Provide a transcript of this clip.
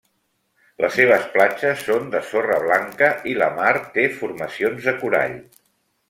Les seves platges són de sorra blanca i la mar té formacions de corall.